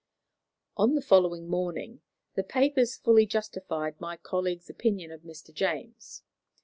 On the following morning the papers fully justified my colleague's opinion of Mr. James.